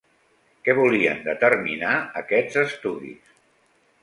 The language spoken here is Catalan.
Què volien determinar aquests estudis?